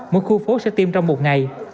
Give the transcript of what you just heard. mỗi khu phố sẽ tiêm trong một ngày